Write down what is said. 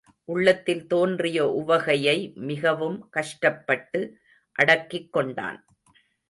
உள்ளத்தில் தோன்றிய உவகையை மிகவும் கஷ்டப்பட்டு அடக்கிக்கொண்டான்.